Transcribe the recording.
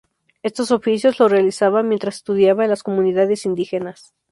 Estos oficios los realizaba mientras estudiaba a las comunidades indígenas.